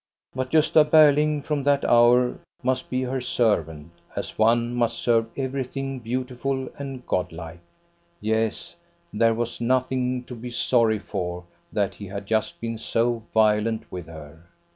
But Gosta Berling from that hour must be her servant, as one must serve everything beautiful and godlike. Yes, there was nothing to be sorry for that he had just been so violent with her.